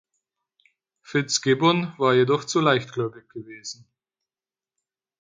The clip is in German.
Fitzgibbon war jedoch zu leichtgläubig gewesen.